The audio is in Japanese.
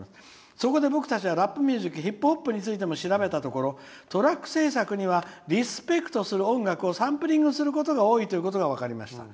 「そこで僕たちはラップミュージックヒップホップについても調べたところトラック制作にはリスペクトする曲をサンプリングすることが多いことが分かりました」。